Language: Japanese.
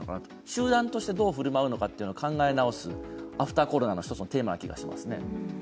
集団としてどう振る舞うのかなというのを考え直す、アフター・コロナの一つの課題かなと思いますね。